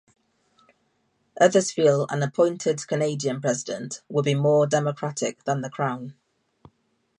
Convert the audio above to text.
Others feel an appointed Canadian president would be more democratic than the Crown.